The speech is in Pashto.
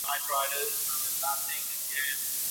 شرعیاتو پوهنځۍ له مشورې پرته نه اعلانیږي.